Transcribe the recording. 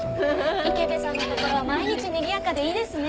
池部さんのところは毎日にぎやかでいいですね。